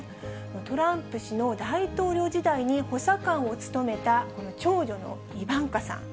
トランプ氏の大統領時代に補佐官を務めた、この長女のイバンカさん。